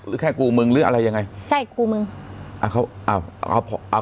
แค่กูมึงหรืออะไรยังไงใช่กูมึงอ่าเขาเอาเอาเอา